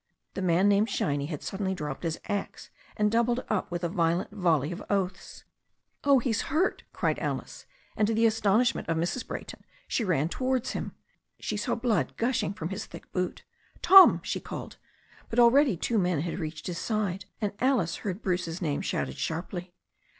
The man named Shiny had suddenly dropped his axe, and doubled up with a violent volley of oaths. "Oh, he's hurt," cried Alice, and to the astonishment of Mrs. Brayton, she ran towards him. She saw blood gushing from his thick boot. "Tom," she called. But already two men had reached his side, and Alice heard Bruce's name shouted sharply.